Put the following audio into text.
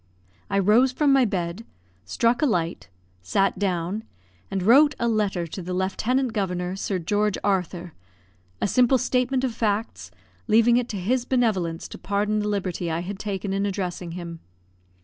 I rose from my bed, struck a light, sat down, and wrote a letter to the Lieutenant Governor, Sir George Arthur, a simple statement of facts, leaving it to his benevolence to pardon the liberty I had taken in addressing him.